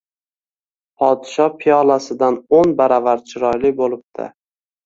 Podsho piyolasidan o‘n baravar chiroyli bo‘libdi